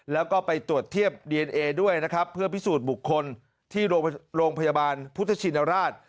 แล้วก็ไปตรวจเทียบดีเอนเอด้วยนะครับเพื่อพิสูจน์บุคคลที่โรงพยาบาลพุทธชินราช